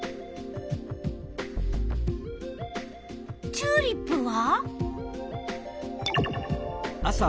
チューリップは？